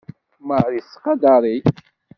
Marie tettqadar-ik.